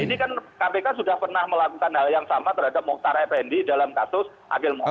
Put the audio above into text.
ini kan kpk sudah pernah melakukan hal yang sama terhadap moktar fnd dalam kasus adil moktar